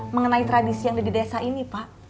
mengenai tradisi yang ada di desa ini pak